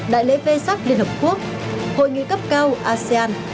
đại lễ v sac liên hợp quốc hội nghị cấp cao asean